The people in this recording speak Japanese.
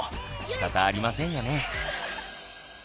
しかたありませんよね。